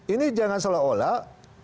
ini jangan seolah olah